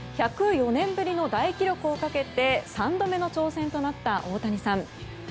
１０４年ぶりの大記録をかけて３度目の挑戦となった大谷さん。